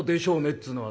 っつうのは。